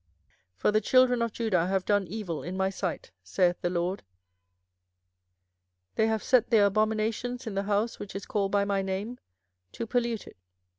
24:007:030 For the children of Judah have done evil in my sight, saith the LORD: they have set their abominations in the house which is called by my name, to pollute it.